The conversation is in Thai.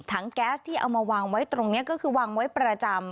แก๊สที่เอามาวางไว้ตรงนี้ก็คือวางไว้ประจำ